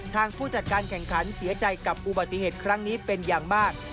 ผู้จัดการแข่งขันเสียใจกับอุบัติเหตุครั้งนี้เป็นอย่างมาก